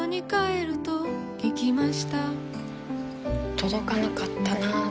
届かなかったな。